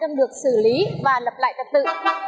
trong được xử lý và lập lại tật tự